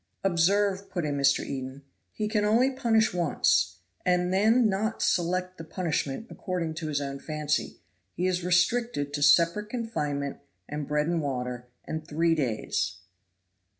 "Observe," put in Mr. Eden, "he can only punish once, and then not select the punishment according to his own fancy; he is restricted to separate confinement, and bread and water, and three days."